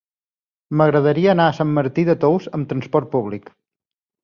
M'agradaria anar a Sant Martí de Tous amb trasport públic.